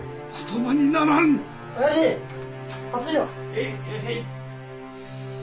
・へいいらっしゃい。